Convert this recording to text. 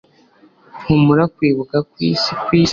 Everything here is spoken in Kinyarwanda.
humura kwibuka kwisi kwisi